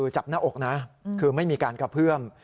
จับหน้าอกนะคือไม่มีการกระเพื่อม